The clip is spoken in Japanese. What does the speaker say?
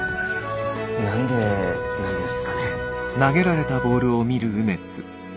何でなんですかね？